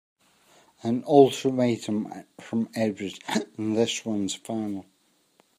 An ultimatum from Edward and this one's final!